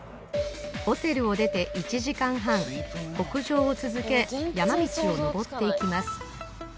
ホテルを出て１時間半北上を続け山道を登っていきます